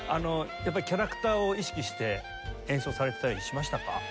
やっぱりキャラクターを意識して演奏されてたりしましたか？